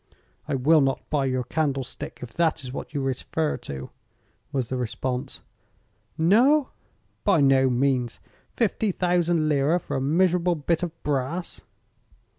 "I will not buy your candlestick, if that is what you refer to," was the response. "No?" "By no means. Fifty thousand lira, for a miserable bit of brass!"